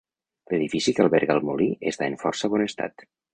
L’edifici que alberga el molí està en força bon estat.